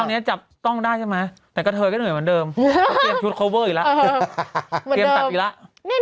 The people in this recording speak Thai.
ตอนนี้จับกล้องได้ใช่ไหมแต่กระเทยก็เหนื่อยเหมือนเดิมเขาเตรียมชุดโคเวอร์อีกแล้วเตรียมตัดอีกแล้ว